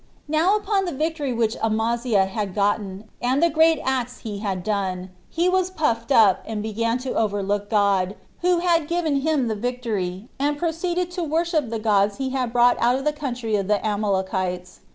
2. Now upon the victory which Amaziah had gotten, and the great acts he had done, he was puffed up, and began to overlook God, who had given him the victory, and proceeded to worship the gods he had brought out of the country of the Amalekites.